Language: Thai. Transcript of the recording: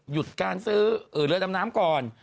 หยุดการซื้อเรือดำน้ำก่อน